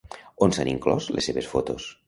On s'han inclòs les seves fotos?